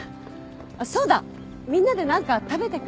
そうだみんなで何か食べてく？